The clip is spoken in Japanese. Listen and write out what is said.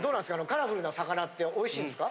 カラフルな魚っておいしいんですか？